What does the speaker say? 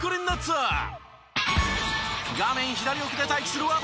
画面左奥で待機する渡邊。